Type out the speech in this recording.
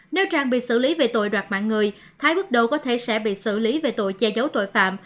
nếu trang bị xử lý về tội đoạt mạng người thái bước đầu có thể sẽ bị xử lý về tội che giấu tội phạm